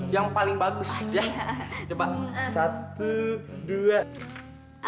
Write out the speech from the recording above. yang paling bagus ya coba satu dua